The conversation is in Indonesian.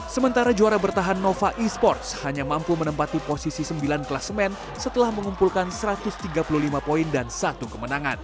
sementara juara bertahan nova e sports hanya mampu menempati posisi sembilan kelasemen setelah mengumpulkan satu ratus tiga puluh lima poin dan satu kemenangan